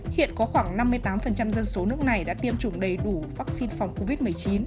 hiện có khoảng năm mươi tám dân số nước này đã tiêm chủng đầy đủ vaccine phòng covid một mươi chín